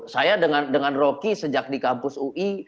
saya dengan rocky sejak di kampus ui